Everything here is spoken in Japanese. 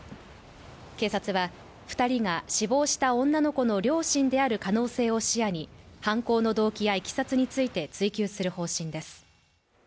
警察は、２人が死亡した女の子の両親である可能性を視野に犯行の動機やいきさつについて追及する方針です。